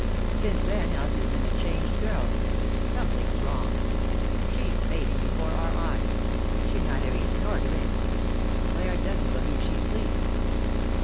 Since then Elsie's been a changed girl — something's wrong. She's lading before our eyes. She neither eats nor drinks; Clare doesn't believe she sleeps.